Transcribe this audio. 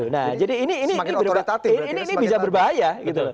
nah jadi ini bisa berbahaya